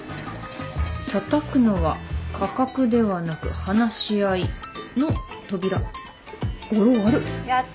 「叩くのは価格ではなく話し合いの扉」語呂悪っ。